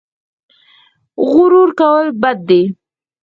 غرور کول بد دي